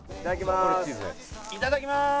いただきまーす。